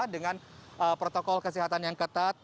dengan protokol kesehatan yang ketat